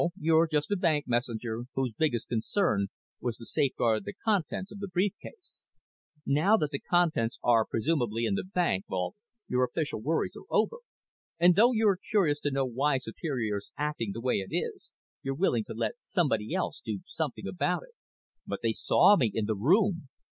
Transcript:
You're just a bank messenger whose biggest concern was to safeguard the contents of the brief case. Now that the contents are presumably in the bank vault your official worries are over, and though you're curious to know why Superior's acting the way it is, you're willing to let somebody else do something about it." "But they saw me in the room.